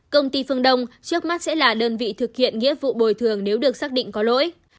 công ty phương đông trước mắt sẽ là đơn vị thực hiện nghĩa vụ bồi thường nếu được xác định có lỗi